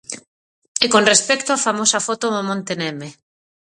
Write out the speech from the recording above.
E con respecto á famosa foto do monte Neme.